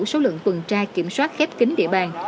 số lượng tuần tra kiểm soát khép kính địa bàn